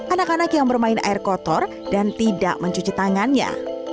anak anak yang bermain air kotor dan tidak mencuci tangannya